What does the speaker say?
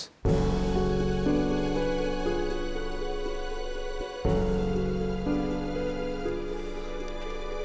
aku masih hidup sama yos